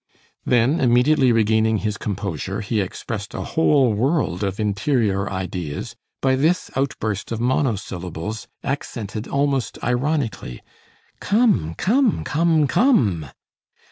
Then, immediately regaining his composure, he expressed a whole world of interior ideas by this outburst of monosyllables accented almost ironically: "Come! Come! Come! Come!"